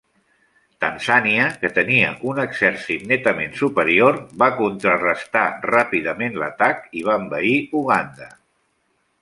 Tanzània, que tenia un exèrcit netament superior, va contrarestar ràpidament l'atac i va envair Uganda.